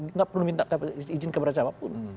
tidak perlu minta izin keberanian siapapun